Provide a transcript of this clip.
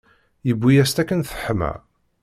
Yewwi-yas-tt akken teḥma.